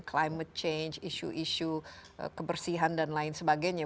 climate change isu isu kebersihan dan lain sebagainya